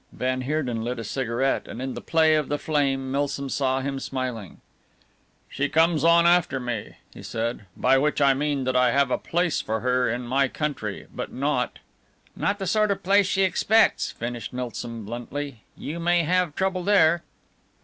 Van Heerden lit a cigarette, and in the play of the flame Milsom saw him smiling. "She comes on after me," he said, "by which I mean that I have a place for her in my country, but not " "Not the sort of place she expects," finished Milsom bluntly. "You may have trouble there."